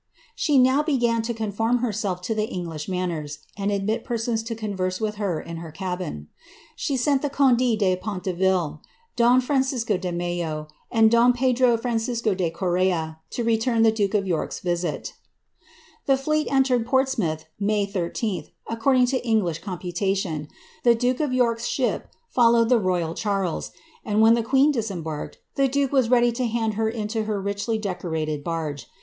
She now be gan to conform herself to the English manners, and admit persons to converse with her in her cabin. She sent the conde de Pontevel, don Francisco de Mello, and don Pedro Francisco de Correa, to return the dnke of York's visit The fleet entered Portsmouth, May 1 3, according to English corapu IttioD. The duke of York's ship followed the Royal Charles; and when the qneen disembarked, the duke was ready to hand her into her richly decorated barge.